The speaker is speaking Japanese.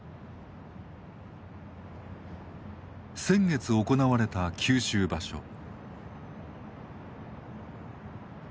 先月行われた九州場所。